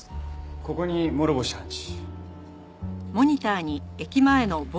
ここに諸星判事。